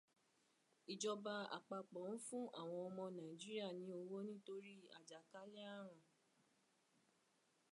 Ìjọba àpapọ̀ ń fún àwọn ọmọ Nàìjíríà ni owó nítorí àjàkálẹ̀ àrùn.